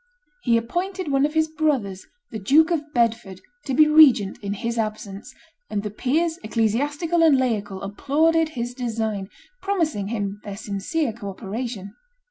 He appointed one of his brothers, the Duke of Bedford, to be regent in his absence, and the peers, ecclesiastical and laical, applauded his design, promising him their sincere co operation.